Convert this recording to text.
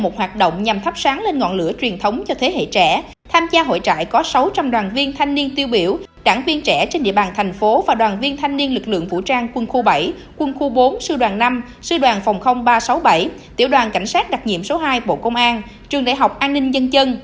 tham gia hội trại có sáu trăm linh đoàn viên thanh niên tiêu biểu đảng viên trẻ trên địa bàn thành phố và đoàn viên thanh niên lực lượng vũ trang quân khu bảy quân khu bốn sư đoàn năm sư đoàn phòng ba trăm sáu mươi bảy tiểu đoàn cảnh sát đặc nhiệm số hai bộ công an trường đại học an ninh dân chân